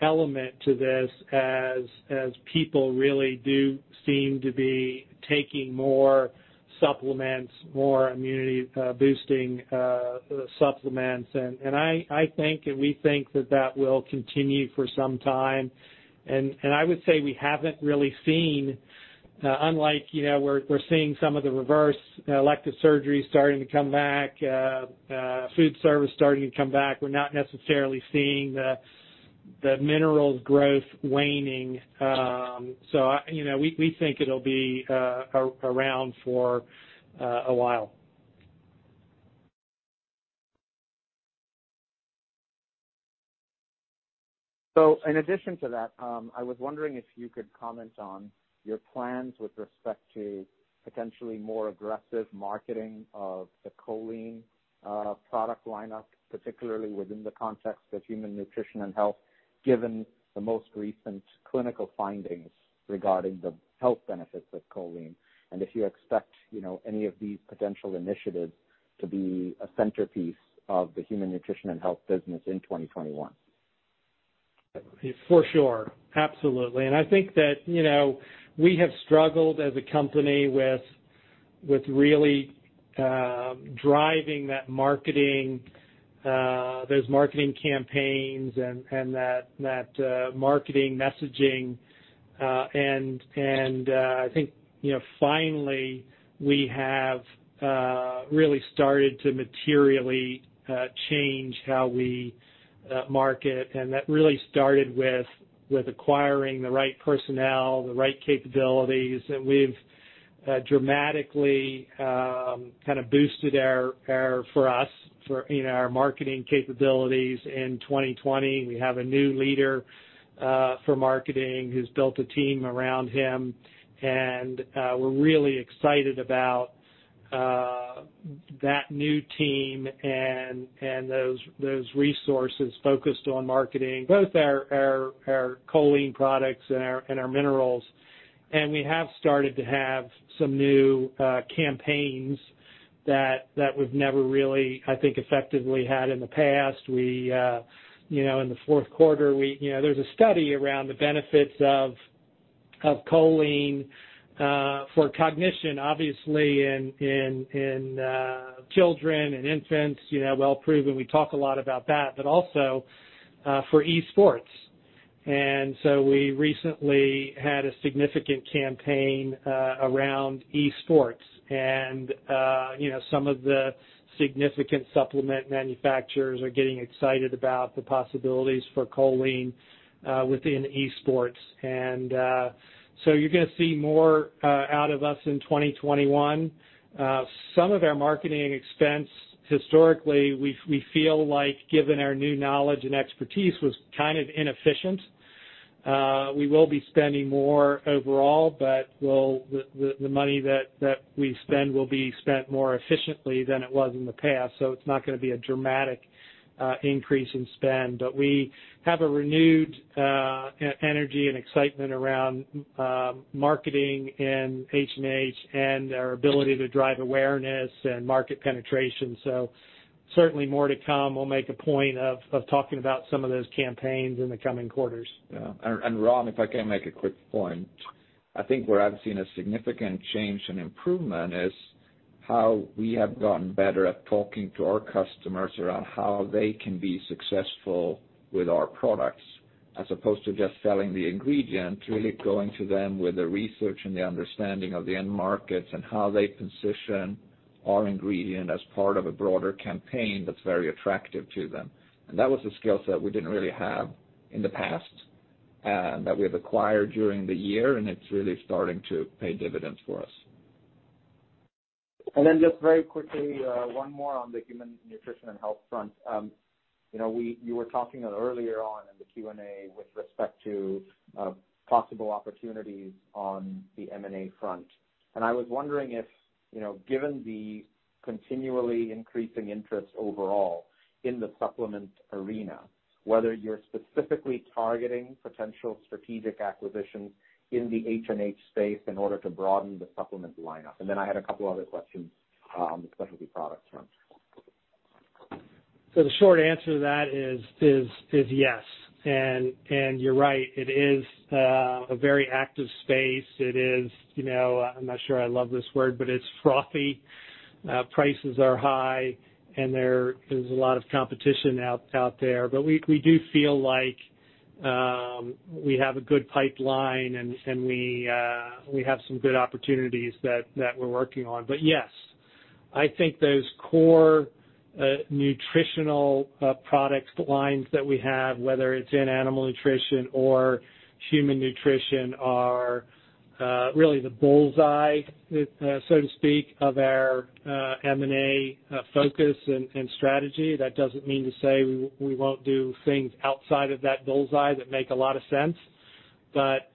element to this as people really do seem to be taking more supplements, more immunity-boosting supplements. I think and we think that that will continue for some time. I would say we haven't really seen, unlike we're seeing some of the reverse elective surgeries starting to come back, food service starting to come back. We're not necessarily seeing the minerals growth waning. We think it'll be around for a while. In addition to that, I was wondering if you could comment on your plans with respect to potentially more aggressive marketing of the choline product lineup, particularly within the context of human nutrition and health, given the most recent clinical findings regarding the health benefits of choline, and if you expect, you know, any of these potential initiatives to be a centerpiece of the human nutrition and health business in 2021? For sure. Absolutely. I think that, you know, we have struggled as a company with really driving those marketing campaigns and that marketing messaging. I think finally, we have really started to materially change how we market. That really started with acquiring the right personnel, the right capabilities that dramatically kind of boosted for us, in our marketing capabilities in 2020. We have a new leader for marketing who's built a team around him, and we're really excited about that new team and those resources focused on marketing, both our choline products and our minerals. We have started to have some new campaigns that we've never really, I think, effectively had in the past. In the fourth quarter, there's a study around the benefits of choline for cognition, obviously, in children and infants, you know, well proven. We talk a lot about that, but also for esports. We recently had a significant campaign around esports. Some of the significant supplement manufacturers are getting excited about the possibilities for choline within esports. You're going to see more out of us in 2021. Some of our marketing expense historically, we feel like given our new knowledge and expertise, was kind of inefficient. We will be spending more overall, but the money that we spend will be spent more efficiently than it was in the past, so it's not going to be a dramatic increase in spend. We have a renewed energy and excitement around marketing and H&H and our ability to drive awareness and market penetration. Certainly more to come. We'll make a point of talking about some of those campaigns in the coming quarters. Yeah. Ram, if I can make a quick point. I think where I've seen a significant change and improvement is how we have gotten better at talking to our customers around how they can be successful with our products, as opposed to just selling the ingredient. Really going to them with the research and the understanding of the end markets and how they position our ingredient as part of a broader campaign that's very attractive to them. That was a skill set we didn't really have in the past that we've acquired during the year, and it's really starting to pay dividends for us. Then, just very quickly, one more on the Human Nutrition & Health front. You were talking earlier on in the Q&A with respect to possible opportunities on the M&A front. I was wondering if, you know, given the continually increasing interest overall in the supplement arena, whether you're specifically targeting potential strategic acquisitions in the H&H space in order to broaden the supplement lineup. Then, I had a couple other questions on the specialty products front. The short answer to that is yes. You're right, it is a very active space. I'm not sure I love this word, but it's frothy. Prices are high, and there's a lot of competition out there, but we do feel like we have a good pipeline and we have some good opportunities that we're working on. Yes, I think those core nutritional product lines that we have, whether it's in animal nutrition or human nutrition, are really the bullseye, so to speak, of our M&A focus and strategy. That doesn't mean to say we won't do things outside of that bullseye that make a lot of sense, but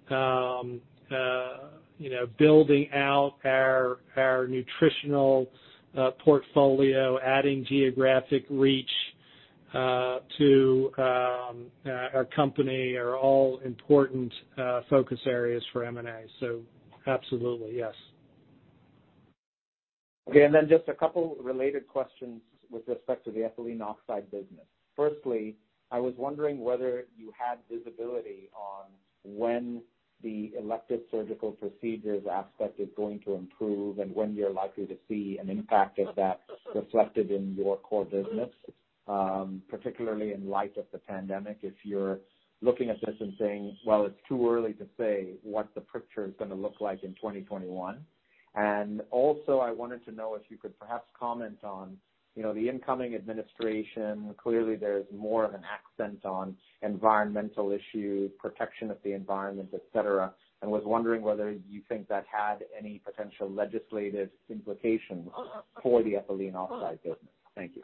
building out our nutritional portfolio, adding geographic reach to our company are all important focus areas for M&A. Absolutely, yes. Okay, then just a couple related questions with respect to the ethylene oxide business. Firstly, I was wondering whether you had visibility on when the elective surgical procedures aspect is going to improve and when you're likely to see an impact of that reflected in your core business, particularly in light of the pandemic, if you're looking at this and saying, "Well, it's too early to say what the picture is going to look like in 2021." Also, I wanted to know if you could perhaps comment on, you know, the incoming administration. Clearly, there's more of an accent on environmental issue, protection of the environment, et cetera, and I was wondering whether you think that had any potential legislative implications for the ethylene oxide business. Thank you.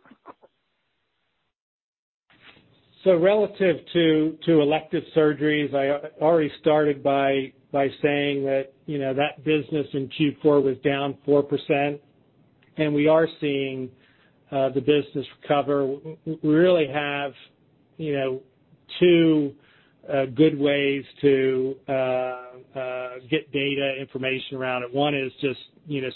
Relative to elective surgeries, I already started by saying that, you know, that business in Q4 was down 4%, and we are seeing the business recover. We really have two good ways to get data information around it. One is just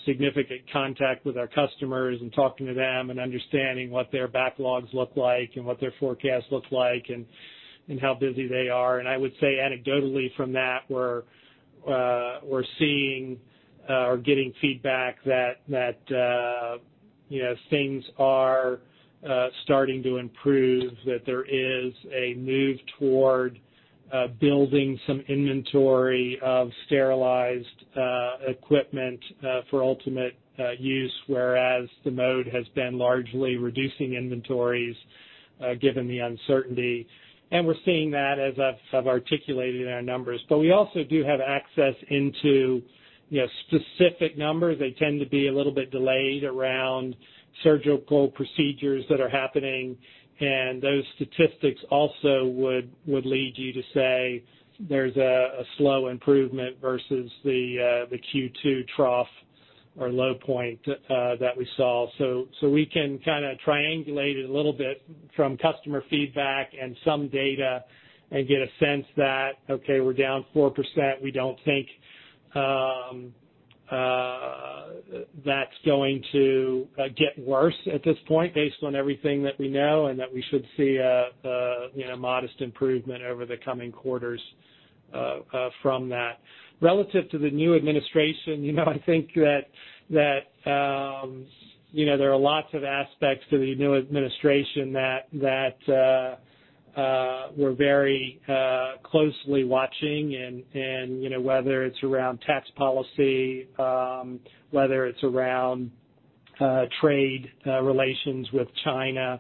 significant contact with our customers and talking to them and understanding what their backlogs look like and what their forecast looks like and how busy they are. I would say anecdotally from that, we're seeing or getting feedback that things are starting to improve, that there is a move toward building some inventory of sterilized equipment for ultimate use, whereas the mode has been largely reducing inventories given the uncertainty. We're seeing that as I've articulated in our numbers, but we also do have access into specific numbers. They tend to be a little bit delayed around surgical procedures that are happening, and those statistics also would lead you to say there's a slow improvement versus the Q2 trough or low point that we saw. We can kind of triangulate it a little bit from customer feedback and some data and get a sense that, okay, we're down 4%. We don't think that's going to get worse at this point based on everything that we know, and that we should see a modest improvement over the coming quarters from that. Relative to the new administration, I think that there are lots of aspects to the new administration that we're very closely watching and whether it's around tax policy, whether it's around trade relations with China,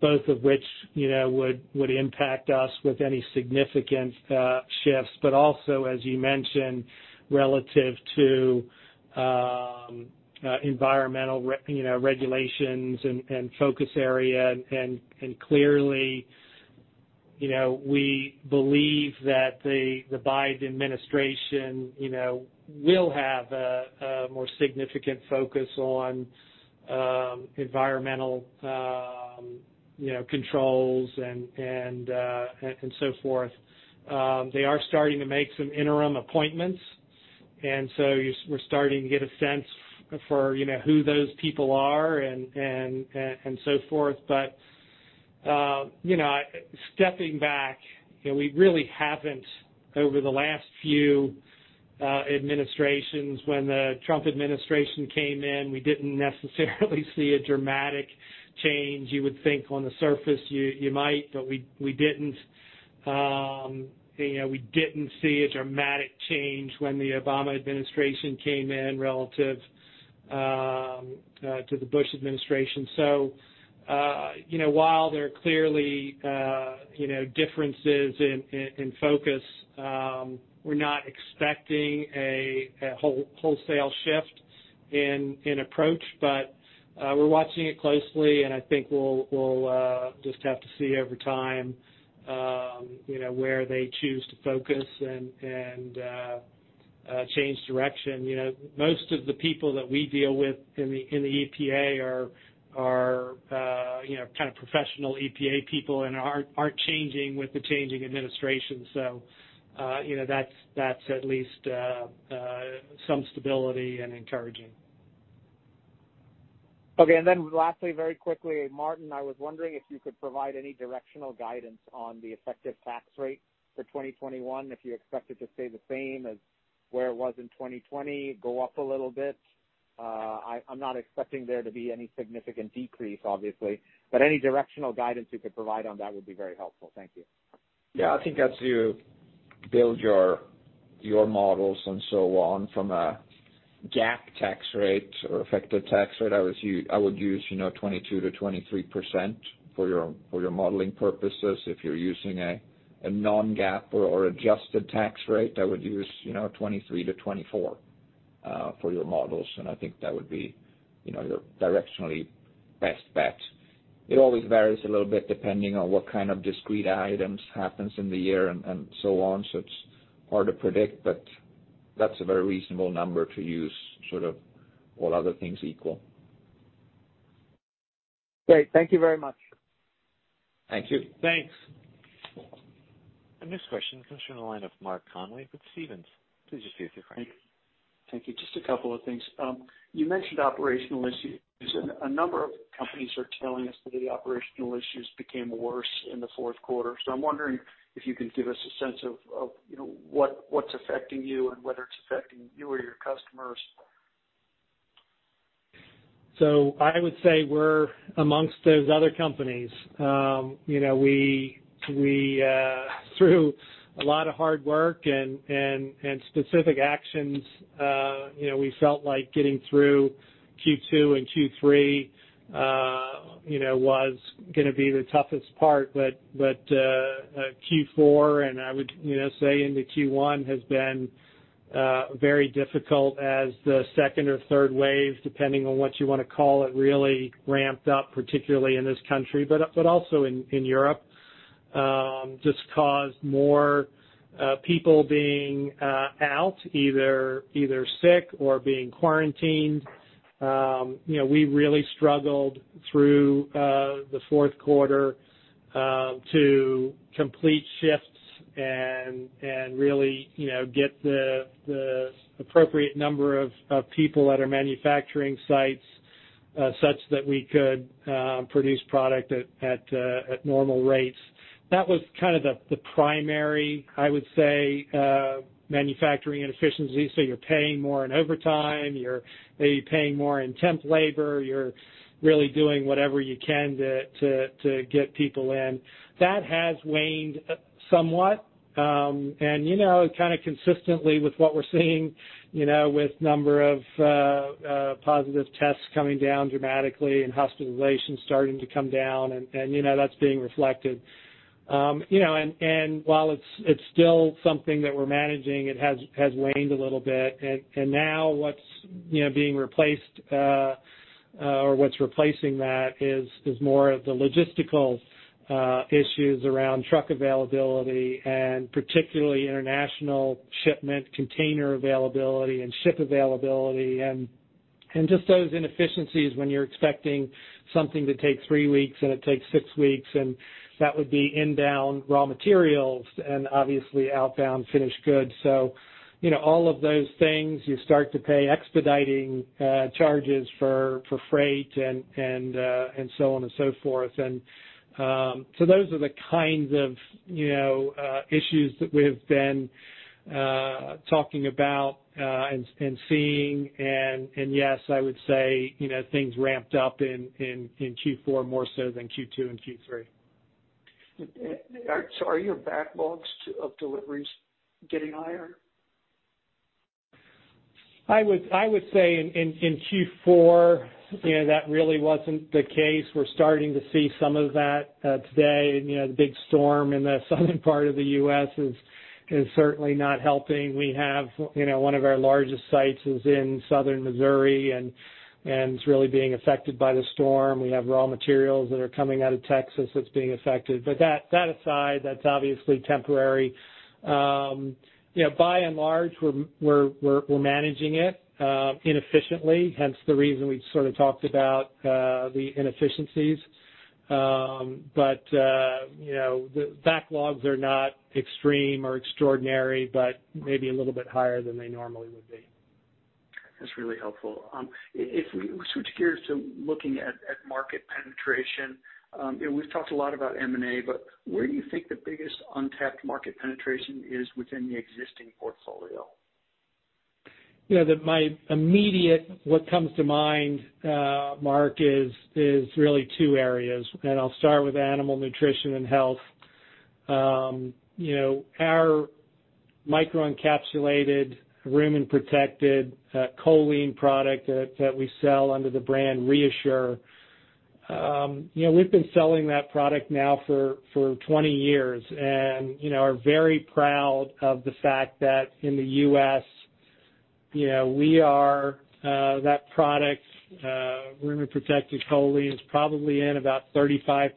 both of which would impact us with any significant shifts, but also, as you mentioned, relative to environmental regulations and focus area. Clearly, we believe that the Biden administration, you know, will have a more significant focus on environmental controls and so forth. They are starting to make some interim appointments, and so we're starting to get a sense for who those people are and so forth. Stepping back, we really haven't over the last few administrations. When the Trump administration came in, we didn't necessarily see a dramatic change. You would think on the surface you might, but we didn't. We didn't see a dramatic change when the Obama administration came in relative to the Bush administration. While there are clearly differences in focus, we're not expecting a wholesale shift in approach, but we're watching it closely, and I think we'll just have to see over time where they choose to focus and change direction. Most of the people that we deal with in the EPA are kind of professional EPA people and aren't changing with the changing administration. That's at least some stability and encouraging. Okay. Lastly, very quickly, Martin, I was wondering if you could provide any directional guidance on the effective tax rate for 2021, if you expect it to stay the same as where it was in 2020, go up a little bit? I'm not expecting there to be any significant decrease, obviously, but any directional guidance you could provide on that would be very helpful. Thank you. Yeah, I think as you build your models and so on from a GAAP tax rate or effective tax rate, I would use 22%-23% for your modeling purposes. If you're using a non-GAAP or adjusted tax rate, I would use 23%-24% for your models, and I think that would be your directionally best bet. It always varies a little bit depending on what kind of discrete items happens in the year and so on. It's hard to predict, but that's a very reasonable number to use, sort of all other things equal. Great. Thank you very much. Thank you. Thanks. The next question comes from the line of Mark Connelly with Stephens. Please proceed with your question. Thank you. Just a couple of things. You mentioned operational issues, and a number of companies are telling us that the operational issues became worse in the fourth quarter. I'm wondering if you could give us a sense of what's affecting you and whether it's affecting you or your customers. I would say we're amongst those other companies. Through a lot of hard work and specific actions, we felt like getting through Q2 and Q3 was going to be the toughest part, but Q4, and I would say into Q1, has been very difficult as the second or third wave, depending on what you want to call it, really ramped up, particularly in this country, but also in Europe. Just caused more people being out, either sick or being quarantined. We really struggled through the fourth quarter to complete shifts and really get the appropriate number of people at our manufacturing sites such that we could produce product at normal rates. That was kind of the primary, I would say, manufacturing inefficiency. You're paying more in overtime, you're maybe paying more in temp labor, you're really doing whatever you can to get people in. That has waned somewhat. Kind of consistently with what we're seeing, you know, with number of positive tests coming down dramatically and hospitalizations starting to come down and that's being reflected. While it's still something that we're managing, it has waned a little bit. Now what's replacing that is more of the logistical issues around truck availability and particularly international shipment, container availability, and ship availability. Just those inefficiencies when you're expecting something to take three weeks and it takes six weeks, that would be inbound raw materials and obviously outbound finished goods. All of those things, you start to pay expediting charges for freight and so on and so forth. Those are the kinds of issues that we have been talking about and seeing. Yes, I would say, things ramped up in Q4 more so than Q2 and Q3. Are your backlogs of deliveries getting higher? I would say in Q4, that really wasn't the case. We're starting to see some of that today. The big storm in the southern part of the U.S. is certainly not helping. We have one of our largest sites is in Southern Missouri, and it's really being affected by the storm. We have raw materials that are coming out of Texas that's being affected. That aside, that's obviously temporary. By and large, we're managing it inefficiently, hence the reason we sort of talked about the inefficiencies. The backlogs are not extreme or extraordinary, but maybe a little bit higher than they normally would be. That's really helpful. If we switch gears to looking at market penetration. We've talked a lot about M&A, but where do you think the biggest untapped market penetration is within the existing portfolio? My immediate what comes to mind, Mark, is really two areas. I'll start with Animal Nutrition & Health. Our microencapsulated rumen-protected choline product that we sell under the brand ReaShure. We've been selling that product now for 20 years and are very proud of the fact that in the U.S., that product, rumen-protected choline, is probably in about 35%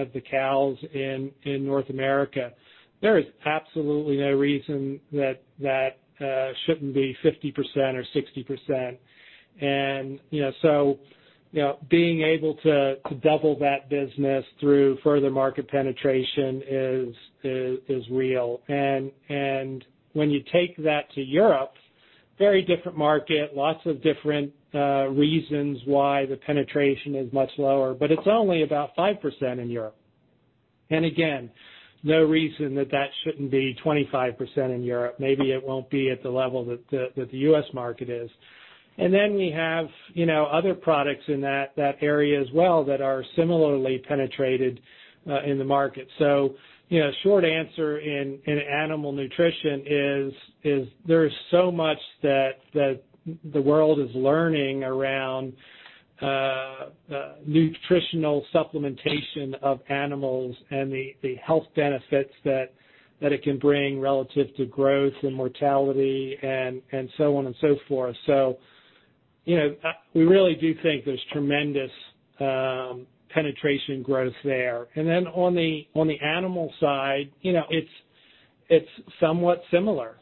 of the cows in North America. There is absolutely no reason that shouldn't be 50% or 60%. Being able to double that business through further market penetration is real. When you take that to Europe, very different market, lots of different reasons why the penetration is much lower, but it's only about 5% in Europe. Again, no reason that that shouldn't be 25% in Europe. Maybe it won't be at the level that the U.S. market is. Then, we have other products in that area as well that are similarly penetrated in the market. Short answer in animal nutrition is there is so much that the world is learning around nutritional supplementation of animals and the health benefits that it can bring relative to growth and mortality and so on and so forth. We really do think there's tremendous penetration growth there. On the animal side, it's somewhat similar.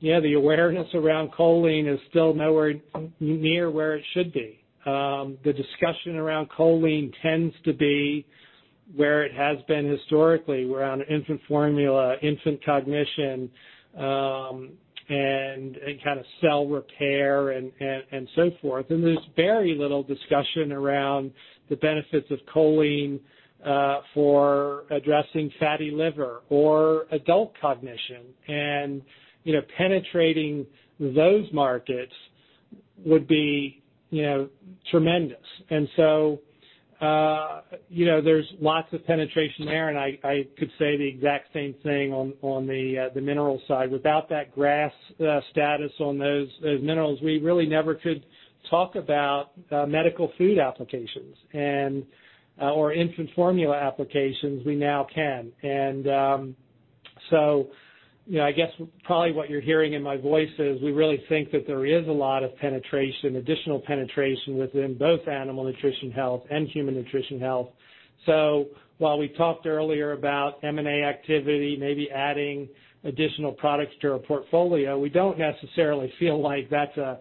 The awareness around choline is still nowhere near where it should be. The discussion around choline tends to be where it has been historically around infant formula, infant cognition, and kind of cell repair and so forth. There's very little discussion around the benefits of choline for addressing fatty liver or adult cognition. Penetrating those markets would be tremendous. There's lots of penetration there, and I could say the exact same thing on the mineral side. Without that GRAS status on those minerals, we really never could talk about medical food applications or infant formula applications. We now can. I guess probably what you're hearing in my voice is we really think that there is a lot of penetration, additional penetration within both Animal Nutrition & Health and Human Nutrition & Health. While we talked earlier about M&A activity, maybe adding additional products to our portfolio, we don't necessarily feel like that's a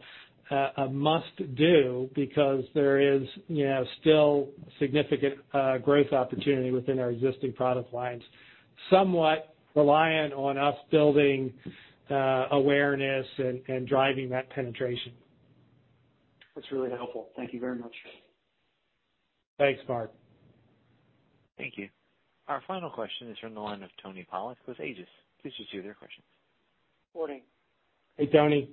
must-do because there is, you know, still significant growth opportunity within our existing product lines, somewhat reliant on us building awareness and driving that penetration. That's really helpful. Thank you very much. Thanks, Mark. Thank you. Our final question is from the line of Tony Polak with Aegis. Please proceed with your questions. Morning. Hey, Tony.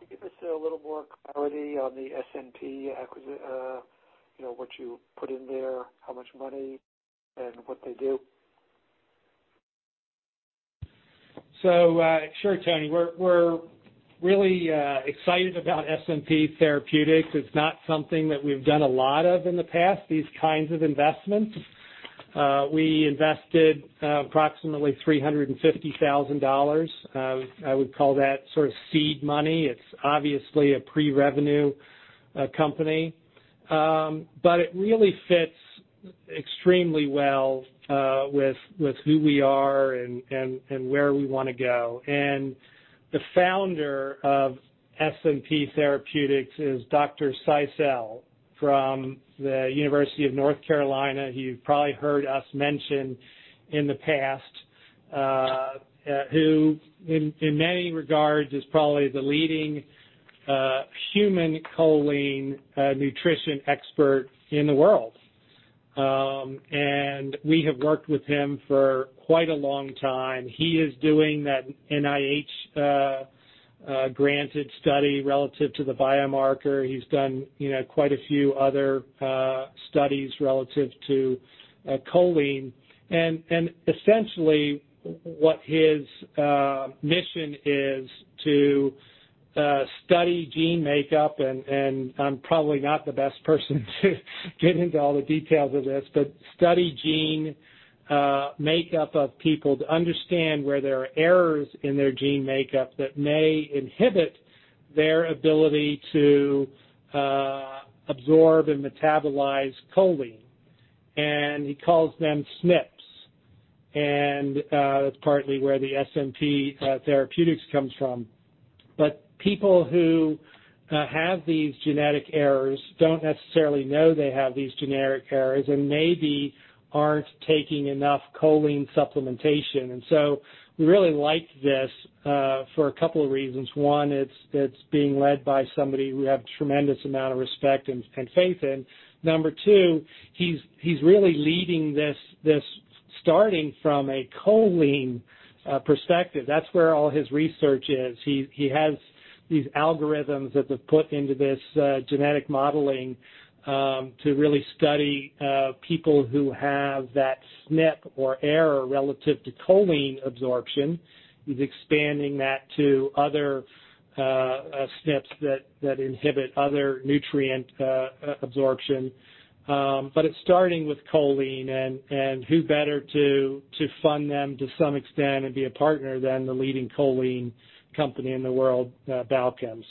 Can you give us a little more clarity on the SNP acquisition, what you put in there, how much money, and what they do? Sure, Tony. We're really excited about SNP Therapeutics. It's not something that we've done a lot of in the past, these kinds of investments. We invested approximately $350,000. I would call that seed money. It's obviously a pre-revenue company, but it really fits extremely well with who we are and where we want to go. The founder of SNP Therapeutics is Dr. Zeisel from the University of North Carolina, who you've probably heard us mention in the past, who, in many regards, is probably the leading human choline nutrition expert in the world. We have worked with him for quite a long time. He is doing that NIH-granted study relative to the biomarker. He's done quite a few other studies relative to choline. Essentially, what his mission is to study gene makeup, and I'm probably not the best person to get into all the details of this, but study gene makeup of people to understand where there are errors in their gene makeup that may inhibit their ability to absorb and metabolize choline. He calls them SNPs, and that's partly where the SNP Therapeutics comes from. People who have these genetic errors don't necessarily know they have these genetic errors and maybe aren't taking enough choline supplementation. We really like this for a couple of reasons. One, it's being led by somebody we have tremendous amount of respect and faith in. Number two, he's really leading this, starting from a choline perspective. That's where all his research is. He has these algorithms that they've put into this genetic modeling to really study people who have that SNP or error relative to choline absorption is expanding that to other SNPs that inhibit other nutrient absorption, but it's starting with choline, who better to fund them to some extent and be a partner than the leading choline company in the world, Balchem.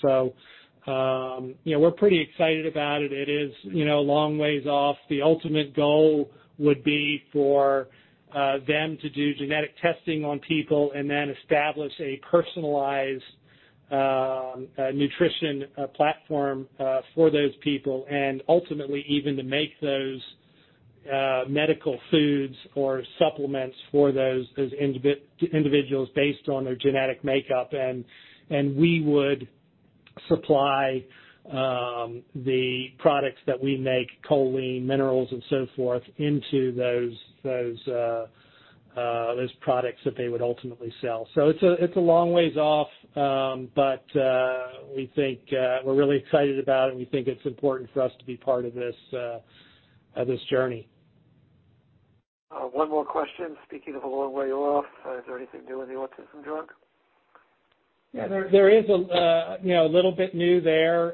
We're pretty excited about it. It is a long way off. The ultimate goal would be for them to do genetic testing on people and then establish a personalized nutrition platform for those people, and ultimately, even to make those medical foods or supplements for those individuals based on their genetic makeup. We would supply the products that we make, choline, minerals, and so forth, into those products that they would ultimately sell. It's a long way off. We're really excited about it, and we think it's important for us to be part of this journey. One more question. Speaking of a long way off, is there anything new with the autism drug? Yeah, there is a little bit new there.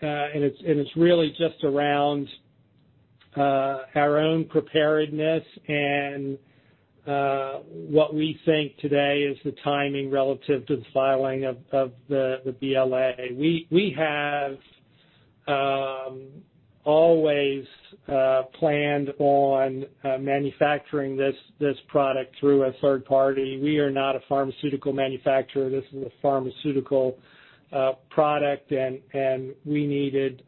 It's really just around our own preparedness and what we think today is the timing relative to the filing of the BLA. We have always planned on manufacturing this product through a third party. We are not a pharmaceutical manufacturer. This is a pharmaceutical product, and we needed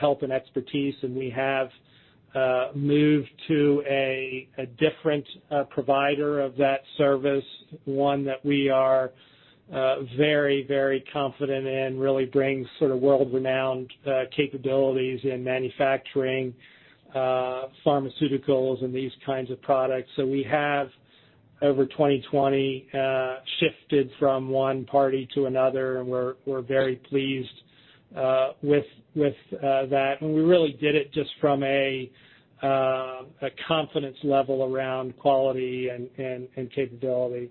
help and expertise, and we have moved to a different provider of that service, one that we are very, very confident in, really brings sort of world-renowned capabilities in manufacturing pharmaceuticals and these kinds of products. We have, over 2020, shifted from one party to another, and we're very pleased with that. We really did it just from a confidence level around quality and capability.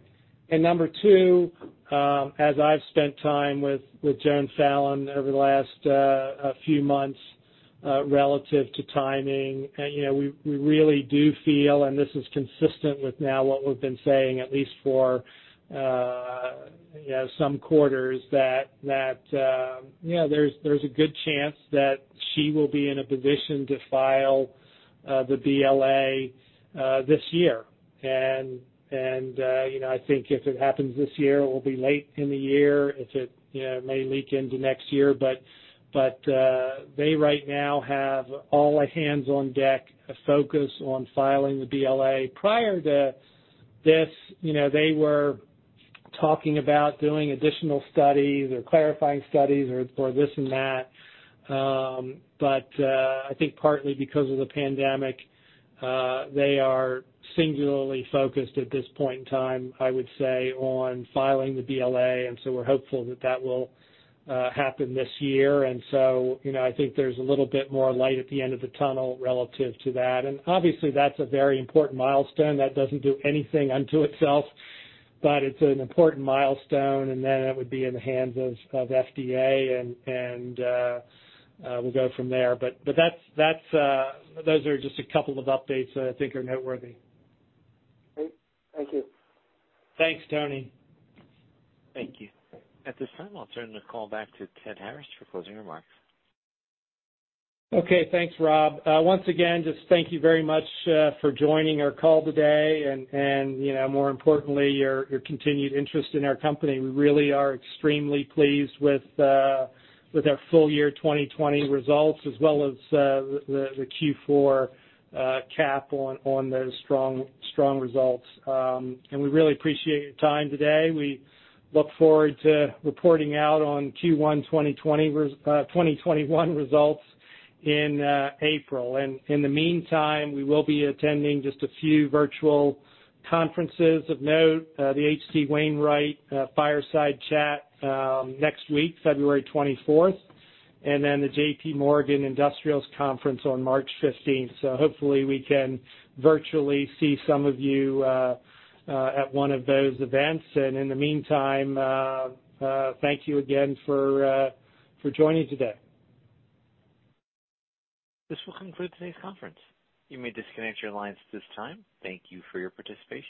Number two, as I've spent time with Joan Fallon over the last few months relative to timing, we really do feel, and this is consistent with now what we've been saying, at least for some quarters, that there's a good chance that she will be in a position to file the BLA this year. I think if it happens this year, it will be late in the year. It may leak into next year. They right now have all hands on deck, a focus on filing the BLA. Prior to this, they were talking about doing additional studies or clarifying studies or this and that. I think partly because of the pandemic, they are singularly focused at this point in time, I would say, on filing the BLA. We're hopeful that that will happen this year. I think there's a little bit more light at the end of the tunnel relative to that. Obviously, that's a very important milestone. That doesn't do anything unto itself, but it's an important milestone, and then it would be in the hands of FDA, and we'll go from there. Those are just a couple of updates that I think are noteworthy. Great. Thank you. Thanks, Tony. Thank you. At this time, I'll turn the call back to Ted Harris for closing remarks. Okay, thanks, Rob. Once again, just thank you very much for joining our call today, and more importantly, your continued interest in our company. We really are extremely pleased with our full year 2020 results, as well as the Q4 cap on those strong results. We really appreciate your time today. We look forward to reporting out on Q1 2021 results in April. In the meantime, we will be attending just a few virtual conferences of note, the H.C. Wainwright Fireside Chat next week, February 24th, then the JPMorgan Industrials Conference on March 15th. Hopefully we can virtually see some of you at one of those events. In the meantime, thank you again for joining today. This will conclude today's conference. You may disconnect your lines at this time. Thank you for your participation.